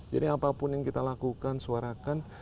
jadi apapun yang kita lakukan suarakan